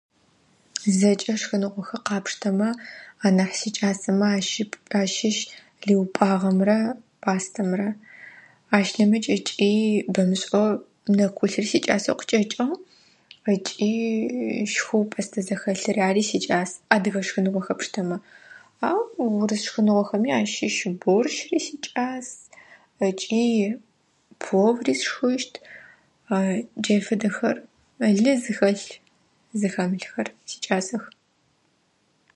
Зэкӏэ шхыныгъохэр къапштэмэ анахь сикӏасэмэ ащып ащыщ лы упӏагъэмрэ пӏастэмрэ. Ащ нэмыкӏ ыкӏи бэмышӏэу нэкулъыр сикӏасэу кӏыкӏэкӏыгъ. Ыкӏи щхыу пӏэстӏэ зэхэлъыр, ари сикӏас, адыгэ шхыныгъохэр пштэмэ. Ау урыс шхыныгъохэми ащыщ борщри сикӏас ыкӏи пловри сшхыщт. Джай фэдэхэр лы зыхэлъ зыхэмылъхэр сикӏасэх.